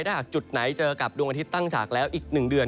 ถ้าหากจุดไหนเจอกับดวงอาทิตย์ตั้งฉากแล้วอีก๑เดือน